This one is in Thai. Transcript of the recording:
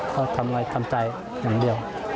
ก็ทำใจหนึ่งเดียว